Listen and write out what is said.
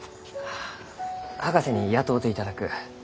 あ博士に雇うていただく。